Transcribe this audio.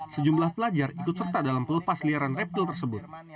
sejumlah pelajar ikut serta dalam pelepas liaran reptil tersebut